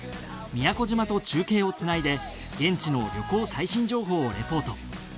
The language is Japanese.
宮古島と中継をつないで現地の旅行最新情報をレポート。